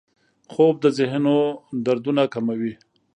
خوب د ذهنو دردونه کموي